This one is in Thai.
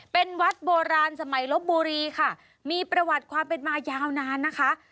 เป็นวัดโบราณสมัยลบบุรีค่ะมีประวัติความเป็นมายาวนานนะคะ